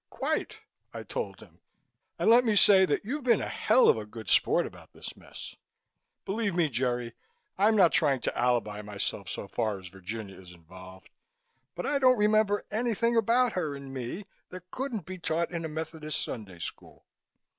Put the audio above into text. "Quite!" I told him, "and let me say that you've been a hell of a good sport about this mess. Believe me, Jerry, I'm not trying to alibi myself so far as Virginia is involved, but I don't remember anything about her and me that couldn't be taught in a Methodist Sunday School.